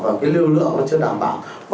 và cái lưu lượng nó chưa đảm bảo